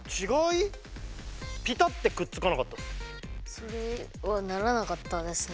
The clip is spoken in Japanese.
それはならなかったですね。